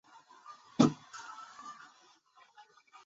余少华的主要研究方向是光纤传输系统和通信网络技术。